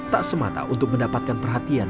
tak semata untuk mendapatkan perhatian